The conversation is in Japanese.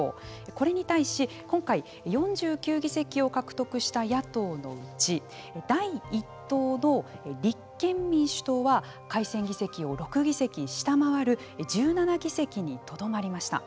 これに対し、今回４９議席を獲得した野党のうち第一党の立憲民主党は改選議席を６議席下回る１７議席にとどまりました。